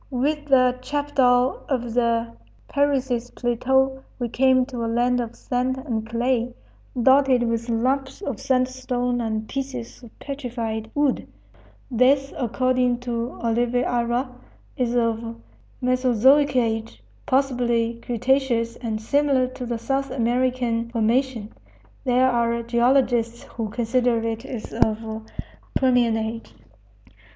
With the chapadao of the Parecis plateau we came to a land of sand and clay, dotted with lumps of sandstone and pieces of petrified wood; this, according to Oliveira, is of Mesozoic age, possibly cretaceous and similar to the South African formation. There are geologists who consider it as of Permian age.